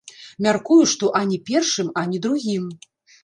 Мяркую, што ані першым, ані другім.